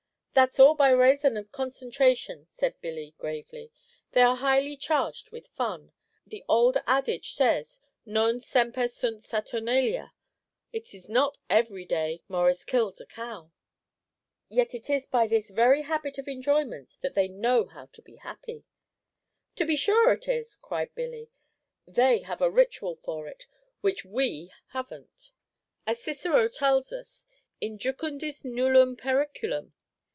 "That's all by rayson of concentration," said 'Billy, gravely. "They are highly charged with fun. The ould adage says, 'Non semper sunt Saturnalia,' It is not every day Morris kills a cow." "Yet it is by this very habit of enjoyment that they know how to be happy." "To be sure it is," cried Billy; "they have a ritual for it which we have n't; as Cicero tells us, 'In jucundis nullum periculum.'